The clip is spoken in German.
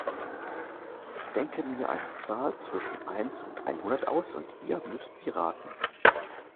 Ich denke mir eine Zahl zwischen eins und einhundert aus und ihr müsst sie raten.